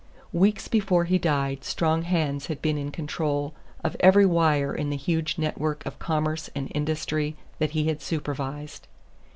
Weeks before he died strong hands had been in control of every wire in the huge network of commerce and industry that he had supervised.